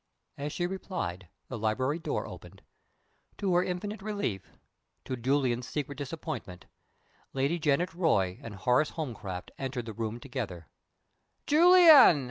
As she replied, the library door opened. To her infinite relief to Julian's secret disappointment Lady Janet Roy and Horace Holmcroft entered the room together. "Julian!"